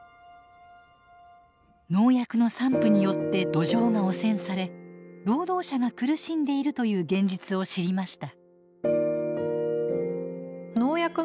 農薬の散布によって土壌が汚染され労働者が苦しんでいるという現実を知りました。